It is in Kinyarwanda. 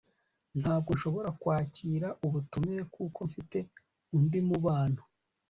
ntabwo nshobora kwakira ubutumire kuko mfite undi mubano